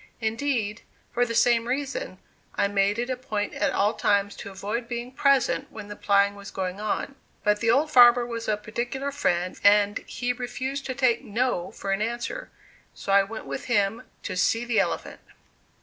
Indeed, for the same reason, I made it a point at all times to avoid being present when the plowing was going on. But the old farmer was a particular friend and he refused to take "no" for an answer; so I went with him "to see the elephant."